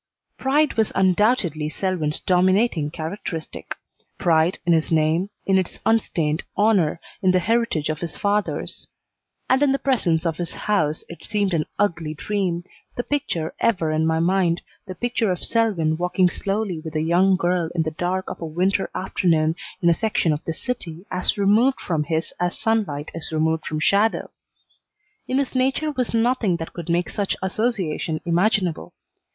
Pride was undoubtedly Selwyn's dominating characteristic. Pride in his name, in its unstained honor, in the heritage of his fathers; and in the presence of his house it seemed an ugly dream the picture ever in my mind, the picture of Selwyn walking slowly with a young girl in the dark of a winter afternoon in a section of the city as removed from his as sunlight is removed from shadow. In his nature was nothing that could make such association imaginable.